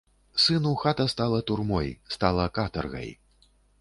Сыну хата стала турмой, стала катаргай.